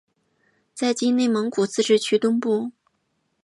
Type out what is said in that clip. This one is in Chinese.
在今内蒙古自治区东部。